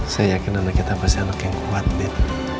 saya yakin anak kita pasti anak yang kuat din